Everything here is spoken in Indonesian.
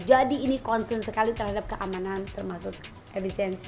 jadi ini concern sekali terhadap keamanan termasuk efisiensi